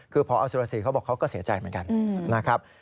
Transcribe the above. คือพอสุรสีเขาบอกเขาก็เสียใจเหมือนกันนะครับ